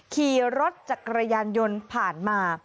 ขี่รถจักรยานยนต์ผ่านมา